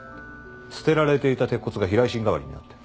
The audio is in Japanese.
捨てられていた鉄骨が避雷針代わりになって。